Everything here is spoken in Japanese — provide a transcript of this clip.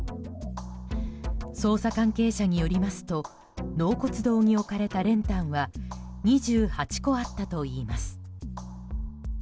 捜査関係者によりますと納骨堂に置かれた練炭は２８個あったといいます。